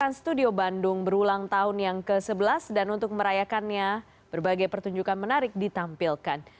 trans studio bandung berulang tahun yang ke sebelas dan untuk merayakannya berbagai pertunjukan menarik ditampilkan